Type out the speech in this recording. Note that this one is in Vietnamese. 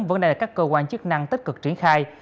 vẫn đang là các cơ quan chức năng tích cực triển khai